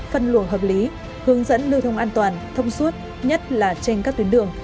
phân luồng hợp lý hướng dẫn lưu thông an toàn thông suốt nhất là trên các tuyến đường